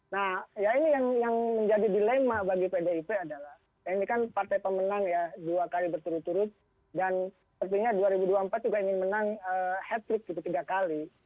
nah ya ini yang menjadi dilema bagi pdip adalah ini kan partai pemenang ya dua kali berturut turut dan sepertinya dua ribu dua puluh empat juga ingin menang hat trick gitu tiga kali